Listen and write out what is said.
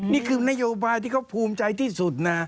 นี่คือนโยบายที่เขาภูมิใจที่สุดนะ